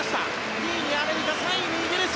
２位にアメリカ３位にイギリス。